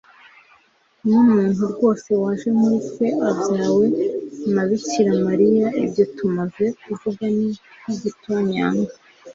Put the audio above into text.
n'umuntu rwose waje muri twe abyawe na bikira mariya. ibyo tumaze kuvuga ni nk'igitonyanga